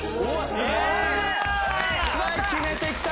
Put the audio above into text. すごい！決めてきた！